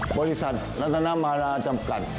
บริษัทนัฏธรรมฮลาฮ์จำกัด